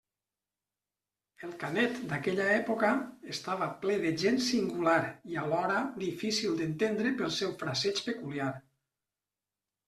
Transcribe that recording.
El Canet d'aquella època estava ple de gent singular i alhora difícil d'entendre pel seu fraseig peculiar.